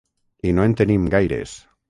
I no en tenim gaires.